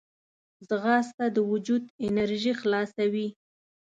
ځغاسته د وجود انرژي خلاصوي